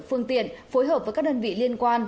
phương tiện phối hợp với các đơn vị liên quan